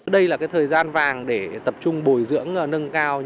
đây là thời gian vàng để tập trung bồi dưỡng nâng cao